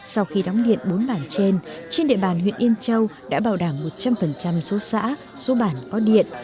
sau khi đóng điện bốn bản trên trên địa bàn huyện yên châu đã bảo đảm một trăm linh số xã số bản có điện